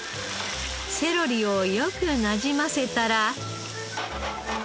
セロリをよくなじませたら。